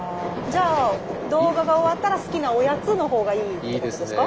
じゃあ動画が終わったら好きなおやつの方がいいってことですか？